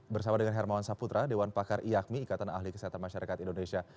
bersama dengan hermawan saputra dewan pakar iakmi ikatan ahli kesehatan masyarakat indonesia